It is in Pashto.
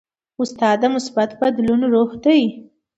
استاد د مثبت بدلون روح دی.